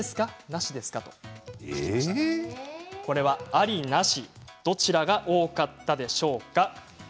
あり、なし、どちらが多かったでしょうか。